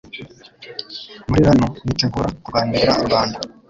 muri RANU bitegura kurwanirira u Rwanda